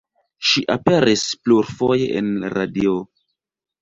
Ŝi aperis plurfoje en radio.